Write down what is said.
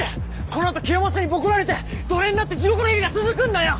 この後キヨマサにボコられて奴隷になって地獄の日々が続くんだよ！